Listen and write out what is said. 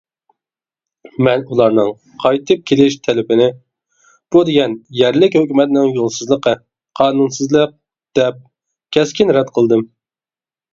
مەن ئۇلارنىڭ قايتىپ كېلىش تەلىپىنى «بۇ دېگەن يەرلىك ھۆكۈمەتنىڭ يولسىزلىقى، قانۇنسىزلىق» دەپ، كەسكىن رەت قىلدىم.